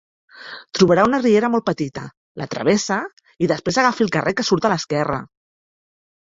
Trobarà una riera molt petita, la travessa, i després agafi el carrer que surt a l'esquerra.